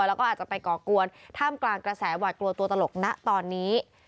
แล้วก็อาจจะไปก่อกวนท่ามกลางกระแสหวาดกลัวตัวตลกนะตอนนี้